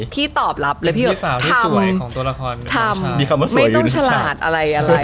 พี่ตอบรับเลยพี่บอกทำทำไม่ต้องฉลาดอะไร